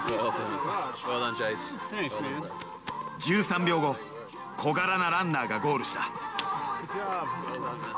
１３秒後小柄なランナーがゴールした。